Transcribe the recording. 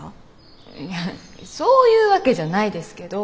いやそういうわけじゃないですけど。